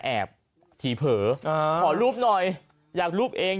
แอบถี่เผลอขอรูปหน่อยอยากรูปเอง